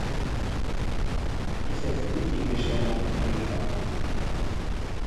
ⵉⵙ ⴰⵙ ⵏⵉⵜ ⵉⴳⴰ ⵛⴰⵍⴰ ⴰⵢ ⵉⴳⴰ.